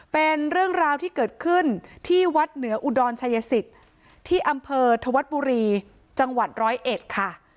เป็นเรื่องราวที่เกิดขึ้นที่วัดเหนืออุดรชัยสิทธิ์ที่อำเภอธวัดบุรีจังหวัดร้อยเอ็ดค่ะ